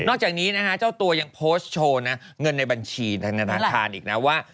จากนี้นะฮะเจ้าตัวยังโพสต์โชว์นะเงินในบัญชีธนาคารอีกนะว่า